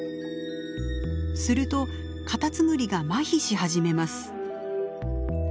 するとカタツムリがまひし始めます。